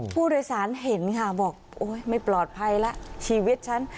ผู้โดยสารเห็นค่ะบอกโอ๊ยไม่ปลอดภัยแล้วชีวิตฉัน